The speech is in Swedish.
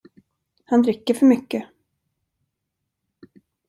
Han dricker för mycket